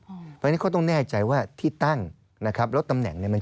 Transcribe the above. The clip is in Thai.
เพราะฉะนั้นเขาต้องแน่ใจว่าที่ตั้งและตำแหน่งมันใช่